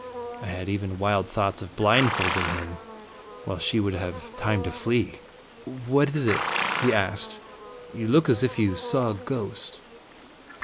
I had even wild thoughts of blindfolding him, while she should have time to flee. "What is it?" he asked. " You look as if you saw a ghost."